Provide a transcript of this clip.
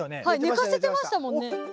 寝かせてましたもんね。